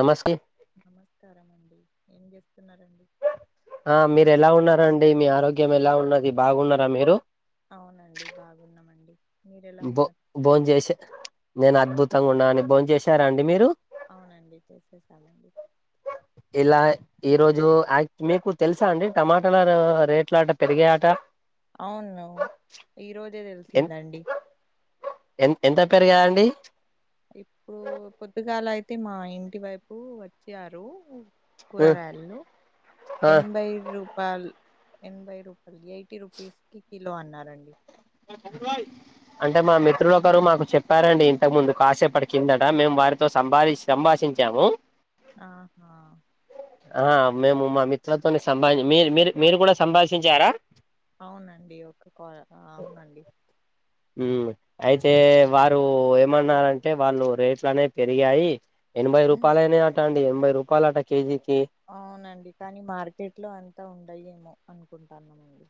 నమస్కే నమస్కారం అండి, ఏం చేస్తున్నారండి? ఆ మీరు ఎలా ఉన్నారండి, మీ ఆరోగ్యం ఎలా ఉన్నది బాగున్నారా మీరు? అవునండి బాగున్నామండి, మీరు ఎలా ఉన్నారు? భోం చేసె, నేను అద్భుతంగా ఉన్నానండి, భోం చేసారాండి మీరు? అవునండి, చేసేసామండి. ఇలా ఈ రోజు అక్ మీకు తెలుసా అండి టమాటాల రేట్లట పెరిగాయట. అవును, ఈ రోజే తెలిసిందండి. ఎన్ ఎంత పెరిగాయండి? ఇప్పుడు పొద్దుగాలైతే మాఇంటి వైపు వచ్చారు. ఉ కూరగాయల్లు, ఆ ఎన్భై రూ పాల్ ఎనభై రూపాల్, ఎయిటీ రూపీస్కి కిలో అన్నారండి. [unintelligible] అంటే మా మిత్రుడు ఒకరు మాకు చెప్పారండి ఇంతకు ముందు కాసేపటి కిందట మేము వారితో సంబాదిస్ సంభాషించాము. ఆహా ఆ మేము మా మిత్రులతోని సంభాషిం మీ మీరు మీరు కూడా సంభాషించారా? అవునండి, ఒక కాల్ అవునండి ఉమ్ అయితే వారు ఏమన్నారంటే, వాళ్ళు రేట్లునేవి పెరిగాయి. ఎనభై రూపాయలైనియ్యట అండి, ఎనభై రూపాయలట కేజీకి. అవునండి, కానీ మార్కెట్ లో అంత ఉండయ్యేమో అనుకుంటన్నానండి.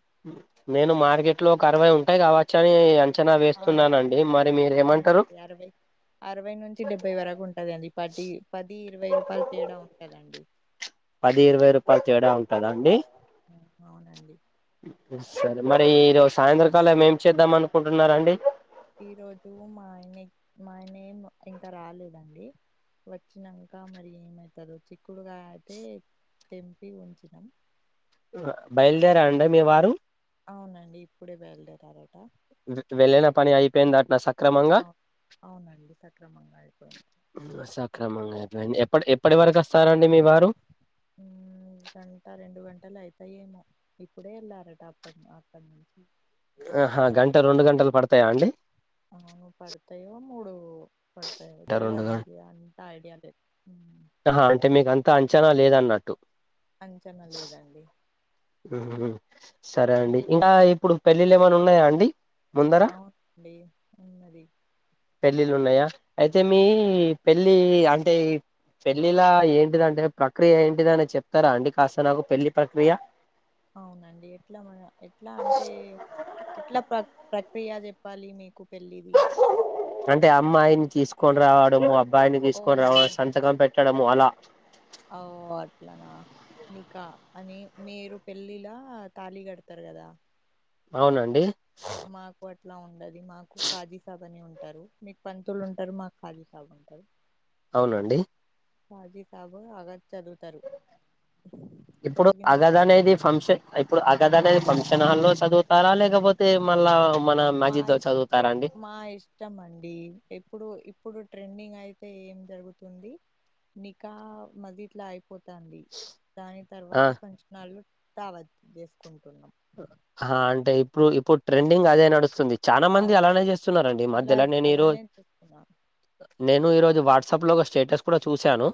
నేను మార్కెట్ లో ఒక అరవై ఉంటాయి కావచ్చని అ చనా వేస్తున్నానండి, మరి మీరు ఏమంటరు? అరవై అరవై నుంచి డెబ్బై వరకు ఉంటదండి పది పది ఇరవై రూపాయల తేడా ఉంటదండి. పది ఇరవై రూపాయలు తేడా ఉంటదా అండి హ్మ్. అవునండి. సరే మరి ఈరోజు సాయంత్రకాలం ఏం చేద్దాం అనుకుంటున్నారండి ఈ రోజు మా ఆయనె మా ఆయనేమ్ ఇంకా రాలేదండి. వచ్చినంక మరి ఏమైతదో, చిక్కుడుగాయ ఐతే తెంపి ఉంచినం బయలుదేరా అండి మీవారు? అవునండి, ఇప్పుడే బయలుదేరారట. వె వెళ్ళిన పని అయిపోయిందట్నా, సక్రమంగా అవును అవునండి సక్రమంగా అయిపోయింది. సక్రమంగా అయిపోయింది, ఎప్పటి ఎప్పటి వరకు వస్తారండి మీవారు? ఉమ్ గంట, రెండుగంటలు అయితాయేమో ఇప్పుడే వెళ్లారట అప్పడు అప్పటినుంచి. ఆహా, గంట రెండుగంటలు పడతాయాండీ? అవును పడతాయో, మూడు పడతాయో గంట రెండు గంటలు తెల్వదండి అన్ ఐడియా లేద్ ఆహా, అంటే మీకు అంత అంచనా లేదన్నట్టు. అంచనా లేదండి. సరే ఉమ్, అండి, ఇంకా ఇప్పుడు పెళ్ళిళ్ళు ఏమైనా ఉన్నాయా అండి? అవునండి ఉన్నది పెళ్ళిళ్ళున్నయా అయితే మీ అవు పెళ్ళి అంటే పెళ్ళిల ఏంటిదంటే ప్రక్రియ ఏంటిద అని చెప్తారా అండి కాస్త నాకు పెళ్లి ప్రక్రియ అవునండి ఎట్ల మన ఎట్లా అంటే ఎట్లా ప్ర ప్రక్రియ చెప్పాలి మీకు పెళ్లిది అంటే అమ్మాయిని తీసుకొని రావడం అబ్బాయిని ఓ తీసుకొని రావడం సంతకం పెట్ ట్టడము అలా ఔ అట్లానా నికా అని మీరు పెళ్ళిలా తాళి కడతరు కదా అవునండి మాకు అట్లా ఉండది మాకు ఖాజీ సాబనే అని ఉంటారు మీకు పంతులు ఉంటరు మాకు ఖాజీ సాబ ఆ అవునండి రాజీతాబు ఆగ చదువుతరు ఇప్పుడు అగద్ చదివినతరు అనేది ఫంక్షన్ ఇప్పుడు అగధనేది ఫంక్షన్ హాల్లో చదువుతారా లేకపోతే మళ్ళా మన మస్జిద్ లో మాయిష్ చదువుతారా అండి మాయిష్ ష్టం అండి ఇప్పుడు ఇప్పుడు ట్రెండింగయితే ఏం జరుగుతుంది నకా మదిట్ల పోతుంది దాని ఆ తర్వాత ఫాంన్షాన్హాల్లలల్లో ధావత్ చేసుకుంటున్నాం ఆ అంటే ఇప్పుడు ఇప్పుడు ట్రెండింగ్ అదే నడుస్తుంది చానా ఆ, మంది అలానే అదే చేస్తున్నారండి అలా మధ్యలో అలానే నేనీరోజు చేస్తున్నాం నేను ఈరోజు వాట్సాప్లో ఒక స్టేటస్ కూడా చూశాను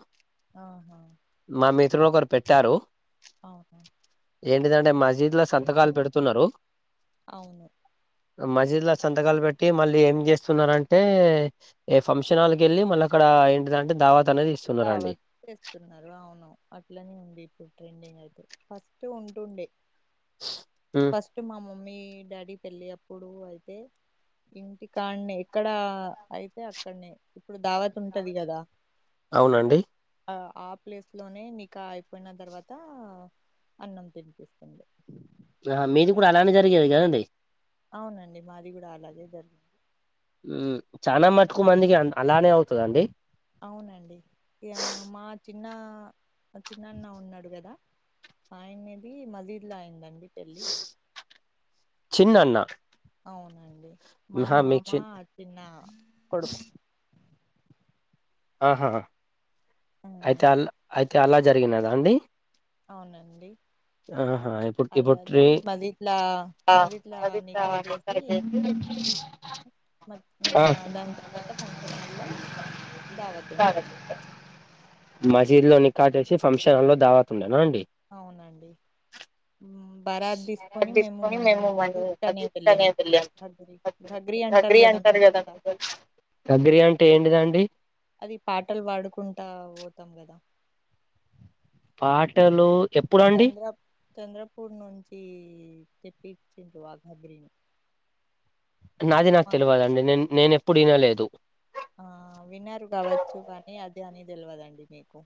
ఆహ మా మిత్రులు ఒకరు పెట్టారు అవును ఏంటిదంటే మజీద్ల సంతకాలు పెడుతున్నరు అవును మజీద్ల సంతకాలు పెట్టి మళ్ళీ ఏం చేస్తున్నరంటే ఏ ఫంక్షన్ హాల్కేల్లి మళ్ళక్కడ ఏంటిదంటే దావాత్ అనేది ఇస్తున్నారండి దావత్ చేస్తున్నరు అవును అట్లనే ఉంది ఇప్పుడు ట్రెండింగ్ అయితే ఫస్ట్ ఉంటుండే ఉమ్ ఫస్ట్ మా మమ్మీ డాడీ పెళ్ళి అప్పుడు అయితే ఇంటికన్నె ఇక్కడ అయితే అక్కనే ఇప్పుడు దావత్ ఉంటది కదా అవునండి ఆ ఆ ప్లేస్లోనే నికా అయిపోయిన తర్వాత అన్నం తినిపిస్తుంది ఆ మీది కూడా అలానే జరిగేది కదండి అవునండి మాది గూడా అలాగే జరుగు ఉమ్ చాన మటుకు మందికి అలానే అవుతుందండి అవునండి ఇగ మా చిన్న చిన్నన్న ఉన్నడు కదా ఆయనేది మజీద్ల అయిందండి పేళ్ళి చిన్న అన్న అవునండి మా ఆహా మీకు మామ చిన్ చిన్న కొడుకు ఆహ అయితే ఉమ్ అల అయితే అలా జరిగినదా అండి అవునండి ఆహా ఇప్పుడు ఇప్పుడు అల్లది ట్రీ మాది ఇట్ల ఆ మది ఇట్ల నీకా పవిత్రావాణి జేసీ కట్టేసి మ్ మా దాని కిందట ఫంక్షన్ హాల్ లో ధావత్ ఉండే అండి మసీదులోని కాటేసి ఫంక్షన్ హాల్ లో దావత్ ఉండేనా అండి అవును అండి ఉ భారత్ తీసుకొని కరార్ మేము మంది అది మనీ తానే అదిస్తనే వెళ్ళాము వెళ్ళాం ఘగ్రి ఘగ్రి అంటారు కద మిగ్ ఘగ్రి అంటే ఏంటిది అండి అది పాటలు పాడుకుంటా పోతాం కదా పాటలు ఎప్పుడండి తంద్రప్ చంద్రపూర్ నుంచి తే పించిండ్రు వాళ్ళు ఘగ్రి నాది నాకు తెలవదు అండి నే నేను ఎప్పుడు వినలేదు ఆ విన్నారు కావచ్చు కానీ అది అని తెలవదు అండి మీకు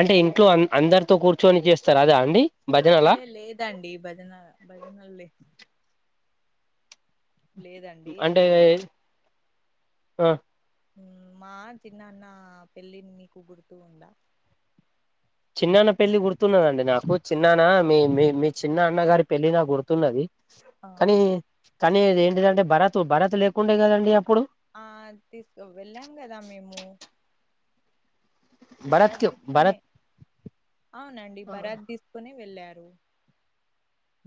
అంటే ఇంట్లో ఆన్ అందరితో కూర్చొని చేస్తారు అదా అండి భజనలా అయ్యో లేదు అండి భజన భజనలు లే లేదండి అంటే అది ఆ ఉ మా చిన్నన్న పెళ్ళి నీకు గుర్తు ఉందా చిన్నన్న పెళ్ళి గుర్తు ఉన్నాది అండి నాకు చిన్నన్న మీ మీ మీ చిన్న అన్న గారి పెళ్ళి నా గుర్తు ఉన్నది ఆ కానీ కానీ ఆది ఏంటిది అంటే భరత్ భరత్ లేకుండనే కధ అండి అప్పుడు ఆ తీసుకో వెెళ్ళాం కదా మేము భరత్ బరాత్ కి తీకునే భరత్ అవునండి బరాత్ తీసుకుని వెళ్ళారు.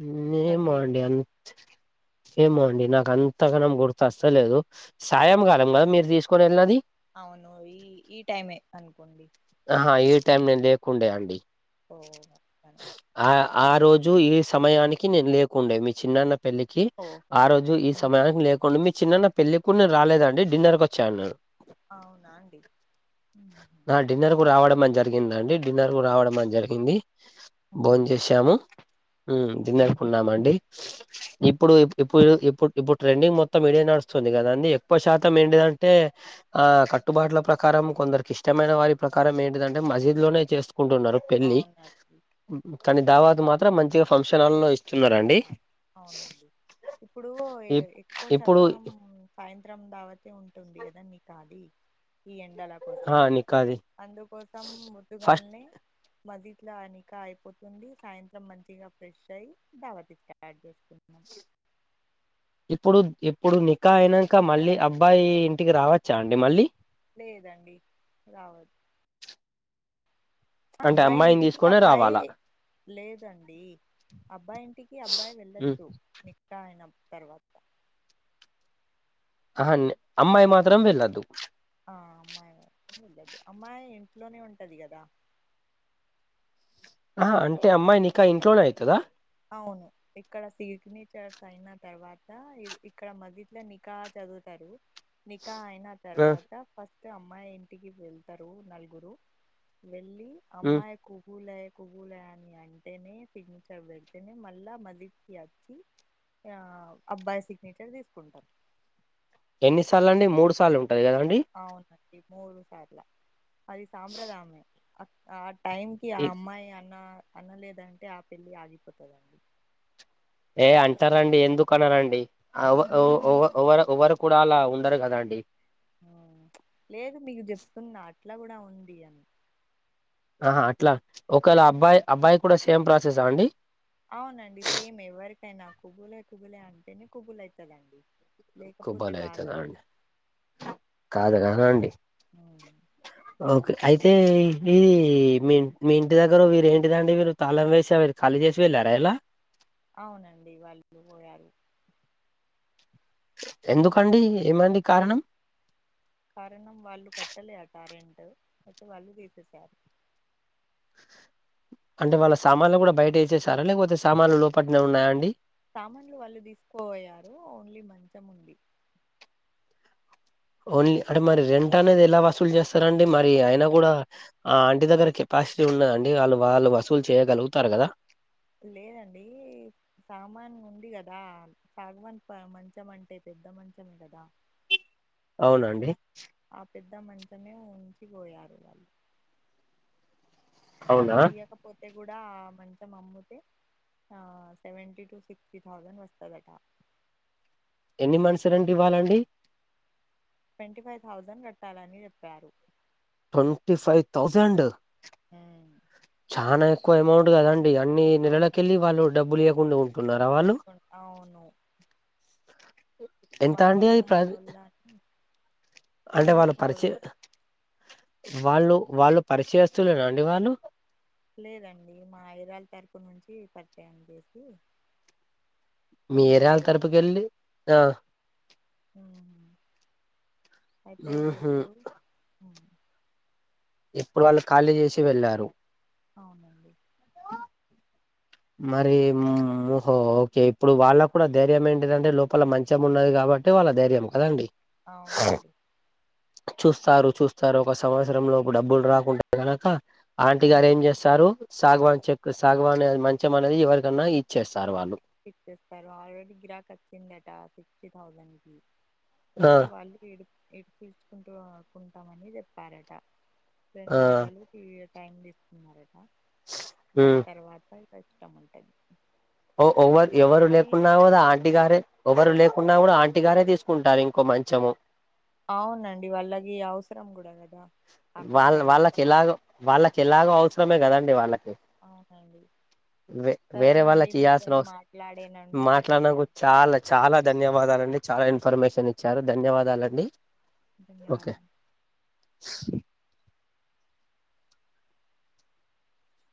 ఉ మేము అండి బక్రీద్ అన్ ఏమో అండి నాకు అంత గానం గుర్తు వస్తలేదు సాయంకాలం కదా మీరు తీసు కొన్నది అవును ఈ ఈ టైమ్ ఏయ్ అనుకోండి ఆహా ఈ టైమ్ నేను లేకుండే అండి ఓ ఆ ఆరోజు ఈ సమయానికి నేను లేకుండే మీ చిన్నన్న పెళ్ళి కి ఓహో ఆ రోజు ఈ ఆ సమయానికి లేకుండు మీ చిన్నన్న పెళ్ళి అప్పుడు నేను రాలేదండి డిన్నర్ కి వచ్చాను నున్ అవునా అండి ఉ నా డిన్నర్ కు రావడం అని జరిగిందండి డిన్నర్ కూడా రావడం అని జరిగింది ఉహు. భోంచేసాము ఉ దిన్నర్ కున్నాము అండి ఇప్పుడు ఎప్పుడు ఎప్పుడు ఎప్పు ట్రెండింగ్ మొత్తం ఇదే నడుస్తుంది కదా అండి ఎక్కువ శాతం ఏంటిది అంటే ఆ కట్టుబాట్ల ప్రకారం కొందరికి ఇష్టమైన వారి ప్రకారం ఏంటిదంటే మజీద్ లోనే చేసుకుంటున్నారు పెళ్ళి అవునండి కానీ దావాత్ మాత్రం మంచిగా ఫంక్షన్ హాల్లో ఇస్ ఫంక్షన్ హాల్ అవును అండి ఇప్పుడు ఇప్- ఎక్కువ ఇప్పుడు శాతం సాయంత్రం దావత్ తీ ఉంటుంది కదా మీ కాది ఈ ఎండల కోసం ఆ నికాది అందుకోసం ముద్దు గాల్ ఫస్ట్ నే మది ఇట్ల నికా అయిపోతుంది సాయంత్రం మంచిగా ఫ్రేష్ అయి దావత్ కి స్టార్ట్ చేసుకుంటున్నాం ఇప్పుడు ఇప్పుడు నికా అయినంక మళ్ళీ అబ్బాయి ఇంటికి రా వచ్చా అండి మళ్ళీ లేదండి రావా ప్చ్ అంటే అబ్బాయి అమ్మాయిని ఇంటికి తీసుకునే అబ్బాయి రావాలా లేదు అని అబ్బాయి ఇంటికి అబ్బాయి ఉమ్, వెళ్ళొచ్చు నీ తాగినాం తర్వాత ఆహా అమ్మాయి మాత్రం వెళ్ళొద్దు ఆ అమ్మాయి లే లేదు అమ్మాయి ఇంట్లోనే ఉంటది గదా ఆహా అంటే అమ్మాయి నీకా ఇంట్లోనే అయితదా అవును ఇక్కడ సిగ్నేచర్స్ అయిన తర్వాత ఇక్కడ మదిట్లో నికాచదువుతారు నికా అయినాత్ తర్వాత ఫస్ట్ అమ్మాయి ఇంటికి వెళ్తారు నలుగురు వెళ్లి అమ్మాయి ఖుబూల్ హై ఖుబూల్ హై అని అంటేనే ఫిగ్నిచర్ బెట్ పెడితేనే మళ్లా మదిత్ కి వచ్చి ఆ అబ్బాయి సిగ్నేచర్ దీసుకుంటాం ఎన్నిసార్లు అండి మూడు సార్లు ఉంటది గాదండి అవునండి మూడు సార్ల అది సాంప్రదాయమే ఆ టైమ్ కి ఆ అమ్మాయి అన్న అన్న లేదంటే ఆ పెళ్లి ఆగిపోతుదండి ఏ అంటారండి ఎందుకు అన్నారండి అయినా ఒవరు ఒవరు కూడా అలా ఉండరు గదా అండి ఆ మ్చ్ లేదు మీకు జేప్తున్నా అట్లా గూడ ఉంది అని ఆహా అట్లా ఒకవేళ అబ్బాయి అబ్బాయి కూడా సేమ్ ప్రాసెసా అండి అవునండి సేమ్ ఎవరికైనా ఖుబూల్ హై ఖుబూల్ హై అంటేనే ఖుబూల్ అయితదండి లేకపోతే కొబ్బలే కాదండి అయితదండి కాదు గదా అండి ఉమ్. ఓకే అయితే ఇది మీ మీ ఇంటి దగ్గర వీరేంటిదండి మీరు తాళం వేసే వే ఖాళీ జేసీ వెళ్లారా ఇలా అవునండి వాళ్లు వెళ్లి పోయారు ఎందుకండి ఏమండి కారణం కారణం వాళ్లు కట్టలే అటారెంట్ అయితే వాళ్లు తీసేసారు అంటే వాళ్ల సామాన్లు గూడ బయట ఏసేసారా లేకపోతే సామాన్లు లోపట్లే ఉన్నాయా అండి సామాన్లు వాళ్లు దీసుకోపోయారు ఓన్లీ మంచం ఉంది ఓన్లీ అంటే మరి రెంట్ అనేది ఎలా వసూలు జేస్తారండి మరి అయినా గూడ ఆ ఆంటి దగ్గర కెపాసిటీ ఉన్నదండి ఆళ్లు వాళ్లు వసూలు చేయగలుగుతారు గదా లేదండీ సామాన్ ఉంది గదా సాగవన్ మంచం అంటే పెద్ద మంచమే గదా అవునండి ఆ పెద్ద మంచమే ఉంచిపోయారు వాళ్లు అవునా డబ్బులు ఇయకపోతే గూడ ఆ మంచం అమ్ముతే సెవెన్టి టూ సిక్స్టీ థౌజండ్ వస్తదాట ఎన్ని మంత్స్ రెంట్ ఇవ్వాలండి ట్వంటీ ఫైవ్ థౌజండ్ గాట్టాలని జేప్పారు ట్వంటీ ఫైవ్ థౌజండ్ ఉమ్ చానా ఎక్కువ అమౌంట్ గాదండి అన్ని నెలలకెళ్ళి అవునండి వాళ్లు డబ్బులు ఇయకుండా ఉంటున్నారా వాళ్లు ఇవ్వకుండా. అవును మనోళ్ళు ప్ర మనోళ్ళు అనీ అంటే వాళ్లు పరిచ్య వాళ్లు వాళ్లు పరిచ్యస్తులేనడి వాళ్లు లేదండి మా ఏరాలు తరపు నుంచి పరిచయం జేసీ మీ ఏరాలు తరపుకేళ్ళి ఆ ఉమ్మ్ అయితే ఊహూ ఇప్పుడు ఉమ్మ్ ఎప్పుడు వాళ్లు ఖాళీ జేసి వెళ్లారు అవునండి మరీ మోహో ఓకే ఇప్పుడు వాళ్ల కూడా ధైర్యం ఏంటిదంటే లోపల మంచం ఉన్నది గాబట్టి ట్టే వాళ్ల ధైర్యం కాదండి అవునండి చూస్తారు చూస్తారు ఒక సంవత్సరం లోపు డబ్బులు రాకుంటే కనక. ఆంటీ గారు ఏం చేస్తారు? సాగవాన్ చెక్ సాగవాన్ మంచి అంటే మనది ఎవరికన్నా ఇచ్చేస్తారు వాళ్ళు. పిక్ చేస్తారు. ఆల్రెడీ గిరాక్ వచ్చిందట సిక్స్టీ థౌజండ్ కి. ఆ అయితే వాళ్ళు వీడు నేర్పించుకుంటామని చెప్పారట. ఆ రెండు నెలలుకి టైం తీసుకున్నారట దాని హ్మ్ తర్వాత ఇష్టం ఉంటే ఓ ఓ ఎవరు ఎవరు లేకున్నా కూడా ఆ ఆంటి గారే ఎవరు లేకున్నా కూడా ఆంటిగారే తీసుకుంటారు ఇంకో మంచము. అవునండి వాళ్ళకి అవసరం కూడా నట వాళ్ళ వాళ్ళకి ఎలాగో వాళ్ళకి ఎలాగో అవసరమే కదండి వాళ్ళకి. అవునండి వే వేరే వాళ్ళ సరేనండి చేయాల్సిన మీతోని అవసరం మాట్లాడేనందుకు మాట్లాడనాక ధన్యవాదాలు చాలా చాలా ధన్యవాదాలండి. చాలా ఇన్ఫర్మేషన్ ఇచ్చారు ధన్యవాదాలండి. ఓకే ధన్యవాదాలు